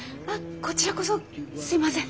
こちらこそすいません。